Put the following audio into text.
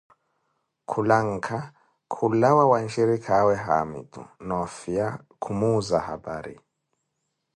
Khulanka kulawa wa nshirikaawe Haamitu, noofiya Khumuza hapari.